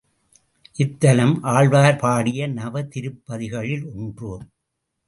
இத்தலம், ஆழ்வார் பாடிய நவதிருப்பதிகளுள் ஒன்று.